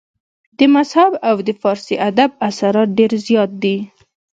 د مذهب او د فارسي ادب اثرات ډېر زيات دي